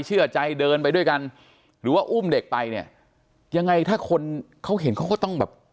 เชื่อใจเดินไปด้วยกันหรือว่าอุ้มเด็กไปเนี่ยยังไงถ้าคนเขาเห็นเขาก็ต้องแบบ